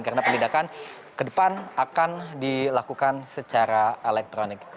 karena penindakan ke depan akan dilakukan secara elektronik